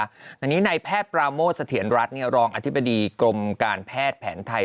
อันนี้พ่อประโมสเถียนรัฐรองอธิบดีกรมการแพทย์แผนไทย